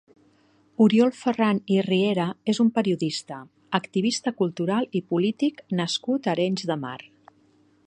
Oriol Ferran i Riera és un periodista, activista cultural i polític nascut a Arenys de Mar.